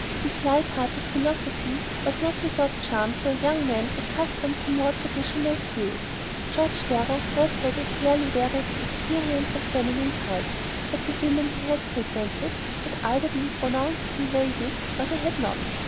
This light hearted philosophy was not without charm to a young man accustomed to more traditional views. George Darrow had had a fairly varied experience of feminine types, but the women he had frequented had either been pronouncedly "ladies" or they had not.